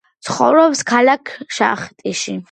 ცხოვრობს ქალაქ შახტიში.